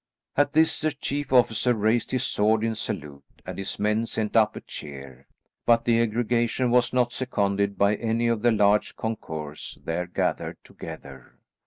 At this the chief officer raised his sword in salute, and his men sent up a cheer, but the aggregation was not seconded by any of the large concourse there gathered together.